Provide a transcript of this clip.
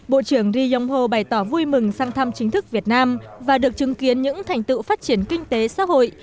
bộ trưởng ri yong ho bày tỏ vui mừng sang thăm chính thức việt nam và được chứng kiến những thành tựu phát triển kinh tế xã hội